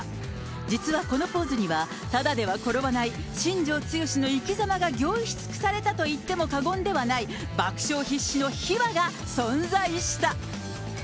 実はこのポーズには、ただでは転ばない新庄剛志の生きざまが凝縮されたといっても過言ではない、爆笑必至の秘話が存在した。